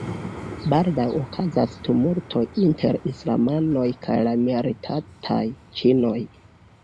Baldaŭ okazis tumultoj inter islamanoj kaj la minoritataj ĉinoj.